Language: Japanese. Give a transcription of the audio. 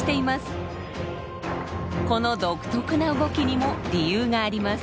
この独特な動きにも理由があります。